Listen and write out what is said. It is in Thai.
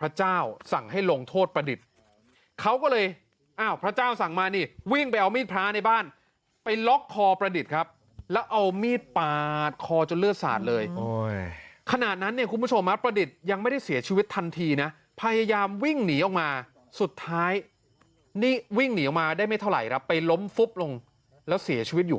พระเจ้าสั่งให้ลงโทษประดิษฐ์เขาก็เลยอ้าวพระเจ้าสั่งมานี่วิ่งไปเอามีดพระในบ้านไปล็อกคอประดิษฐ์ครับแล้วเอามีดปาดคอจนเลือดสาดเลยขณะนั้นเนี่ยคุณผู้ชมประดิษฐ์ยังไม่ได้เสียชีวิตทันทีนะพยายามวิ่งหนีออกมาสุดท้ายนี่วิ่งหนีออกมาได้ไม่เท่าไหร่ครับไปล้มฟุบลงแล้วเสียชีวิตอยู่